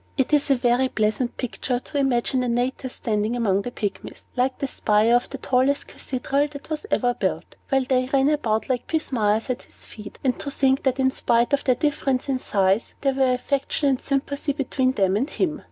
It is a very pleasant picture to imagine Antaeus standing among the Pygmies, like the spire of the tallest cathedral that ever was built, while they ran about like pismires at his feet; and to think that, in spite of their difference in size, there were affection and sympathy between them and him!